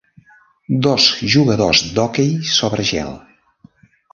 Dos jugadors d'hoquei sobre gel